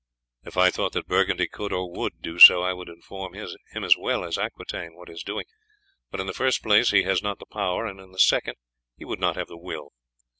"If I thought that Burgundy could, or would do so, I would inform him as well as Aquitaine what is doing; but in the first place he has not the power, and in the second he would not have the will.